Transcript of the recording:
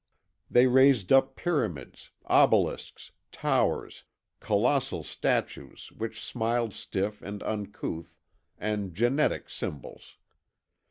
"They raised up pyramids, obelisks, towers, colossal statues which smiled stiff and uncouth, and genetic symbols.